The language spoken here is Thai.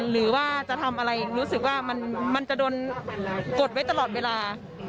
หรือว่าจะทำอะไรรู้สึกว่ามันจะโดนกดไว้ตลอดเวลา